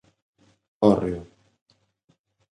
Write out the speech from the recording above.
Hórreo.